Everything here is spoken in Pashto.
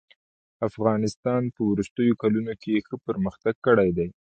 افغانستان په وروستيو کلونو کښي ښه پرمختګ کړی دئ.